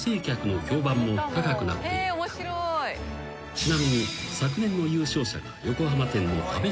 ［ちなみに］